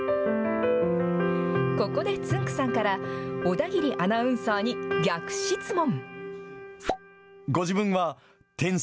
ここで、つんく♂さんから小田切アナウンサーに逆質問。